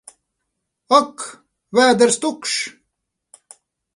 Ak! Vēders tukšs!